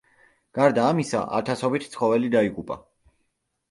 გარდა ამისა, ათასობით ცხოველი დაიღუპა.